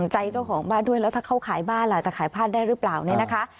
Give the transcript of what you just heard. ใจเจ้าของบ้านด้วยแล้วถ้าเขาขายบ้านล่ะจะขายบ้านได้หรือเปล่าเนี่ยนะคะ